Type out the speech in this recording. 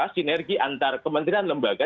sinergi antar kementerian lembaga